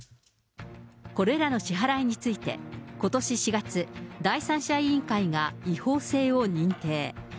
これらの支払いについて、ことし４月、第三者委員会が違法性を認定。